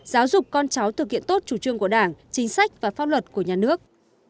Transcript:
giáo dục con cháu thực hiện tốt chủ trương của đảng chính sách và pháp luật của nhà nước